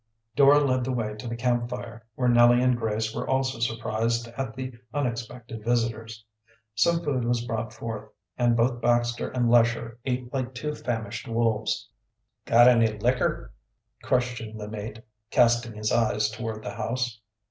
Dora led the way to the camp fire, where Nellie and Grace were also surprised at the unexpected visitors. Some food was brought forth, and both Baxter and Lesher ate like two famished wolves. "Got any liquor?" questioned the mate, casting his eyes toward the house.